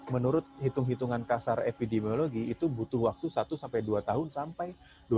menurut hitung hitungan kasar epidemiologi itu butuh waktu satu sampai dua tahun sampai